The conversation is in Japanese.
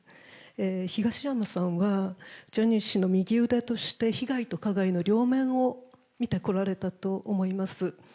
東山さんはジャニー氏の右腕として被害と加害の両面を見てこられたと思います。